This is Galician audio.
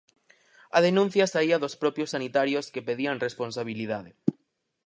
A denuncia saía dos propios sanitarios que pedían responsabilidade.